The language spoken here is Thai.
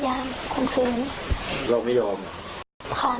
มันก็วิ่งกลับมา